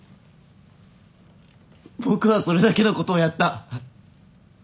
僕はそれだけのことをやった。